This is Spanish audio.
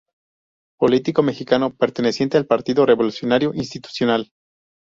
Político mexicano perteneciente al Partido Revolucionario Institucional.